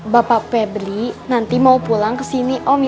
bapak pebri nanti mau pulang kesini om